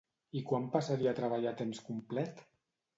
I quan passaria a treballar a temps complet?